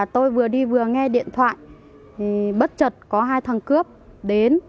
tôi vừa đi vừa nghe điện thoại bất chật có hai thằng cướp đến